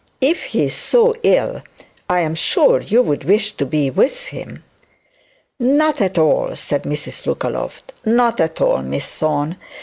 'If he is so ill, I sure you'd wish to be with him.' 'Not at all!' said Mrs Lookaloft. 'Not at all, Miss Thorne.